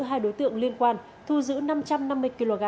hai đối tượng liên quan thu giữ năm trăm năm mươi kg